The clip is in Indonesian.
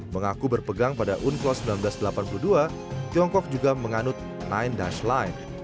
mengaku berpegang pada unclos seribu sembilan ratus delapan puluh dua tiongkok juga menganut sembilan life